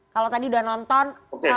kalau tadi sudah nonton